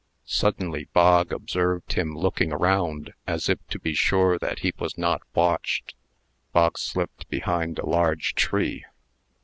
Suddenly, Bog observed him looking around, as if to be sure that he was not watched. Bog slipped behind a large tree.